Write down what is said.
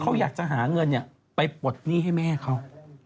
เขาอยากจะหาเงินไปปลดหนี้ให้แม่เขา